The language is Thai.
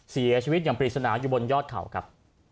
เสียชีวิตอย่างปริศนาอยู่บนยอดเขาครับ